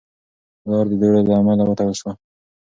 لار د دوړو له امله وتړل شوه.